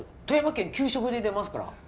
富山県給食に出ますから。